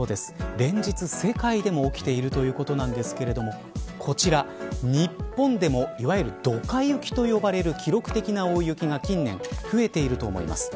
連日、世界でも起きているということなんですけれどもこちら日本でもいわゆるドカ雪と呼ばれる記録的な大雪が近年増えていると思います。